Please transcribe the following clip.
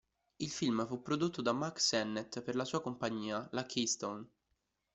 Il film fu prodotto da Mack Sennett per la sua compagnia, la Keystone.